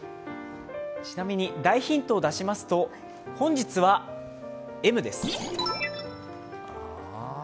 ちなみに大ヒントを出しますと、本日は、Ｍです。